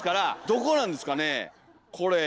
どこなんですかねこれ。